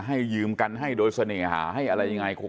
ให้ยืมกันให้โดยเสน่หาให้อะไรยังไง